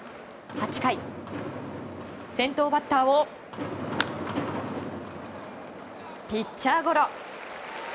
８回、先頭バッターをピッチャーゴロ。